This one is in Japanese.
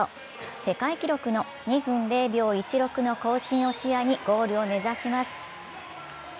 世界記録の２分０秒１６の更新を視野にゴールを目指します。